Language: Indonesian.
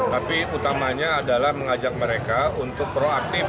tapi utamanya adalah mengajak mereka untuk proaktif